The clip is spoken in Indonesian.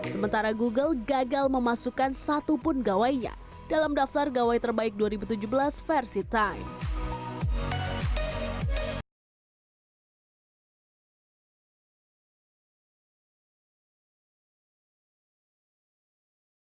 sementara google gagal memasukkan satupun gawainya dalam daftar gawai terbaik dua ribu tujuh belas versi time